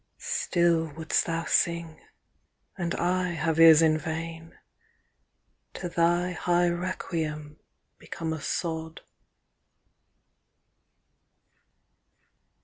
Still wouldst thou sing, and I have ears in vain—To thy high requiem become a sod.